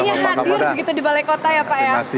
pak kapolda ini hadir begitu di balai kota ya pak ya